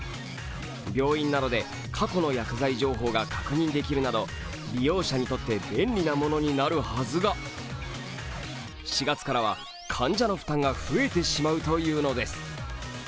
病院などで過去の薬剤情報が確認できるなど利用者にとって、便利なものになるはずが４月からは患者の負担が増えてしまうというのです。